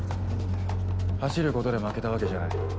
走ることで負けたわけじゃない。